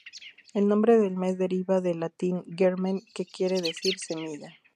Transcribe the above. El nombre del mes deriva del latín "germen", que quiere decir semilla.